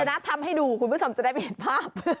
คุณธนาทำให้ดูคุณผู้ชมจะได้เปลี่ยนภาพ